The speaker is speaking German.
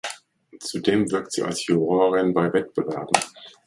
Zudem wirkt sie als Jurorin bei Wettbewerben.